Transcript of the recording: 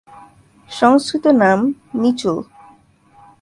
সংস্কৃত নাম নিচুল।